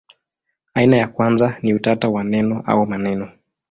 Aina ya kwanza ni utata wa neno au maneno.